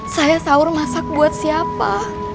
saya sahur masak buat siapa